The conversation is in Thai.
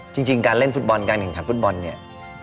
จริงการเล่นฟุตบอลการแข่งขันฟุตบอลเนี่ย